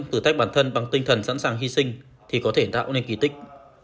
thử thách bản thân bằng tinh thần sẵn sàng hy sinh thì có thể tạo nên kỳ tích